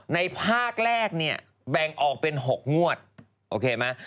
ภาคแรกเนี่ยแบ่งออกเป็น๖งวดโอเคไหม